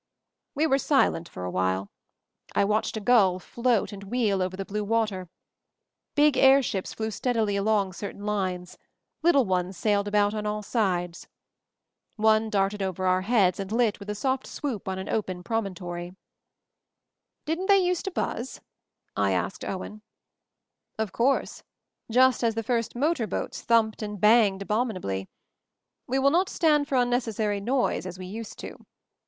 We were silent for a while. I watched a gull float and wheel over the blue water. Big airships flew steadily along certain lines. Little ones sailed about on all sides. One darted over our heads and lit with a soft swoop on an open promontory. "Didn't they use to buzz?" I asked Owen, "Of course; just as the first motor boats 114 MOVING THE MOUNTAIN thumped and banged abominably. We will not stand for unnecessary noise, as we used to."